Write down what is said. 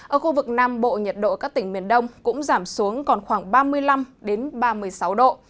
ở khu vực nam bộ nhiệt độ các tỉnh miền đông cũng giảm xuống còn khoảng ba mươi năm ba mươi sáu độ